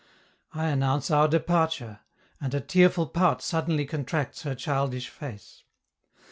I announce our departure, and a tearful pout suddenly contracts her childish face.